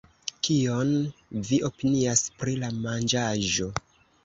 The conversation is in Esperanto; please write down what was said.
Kion vi opinias pri la manĝaĵo